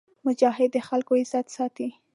مجاهد د خلکو عزت ساتي.